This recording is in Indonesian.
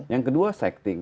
yang kedua sexting